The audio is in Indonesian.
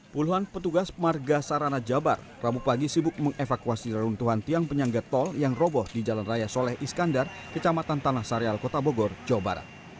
puluhan petugas marga sarana jabar rabu pagi sibuk mengevakuasi reruntuhan tiang penyangga tol yang roboh di jalan raya soleh iskandar kecamatan tanah sarial kota bogor jawa barat